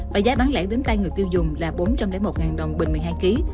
và giá bán lẻ đến tay người tiêu dùng là bốn trăm linh một đồng bình một mươi hai kg